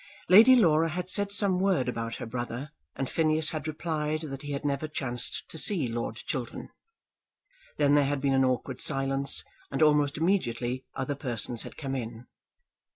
Lady Laura had said some word about her brother, and Phineas had replied that he had never chanced to see Lord Chiltern. Then there had been an awkward silence, and almost immediately other persons had come in.